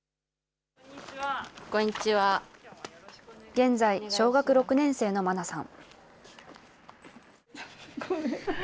現在、小学６年生の茉奈さん。